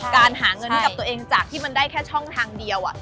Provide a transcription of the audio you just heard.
การหาเงินให้กับตัวเองจากที่มันได้แค่ช่องทางเดียว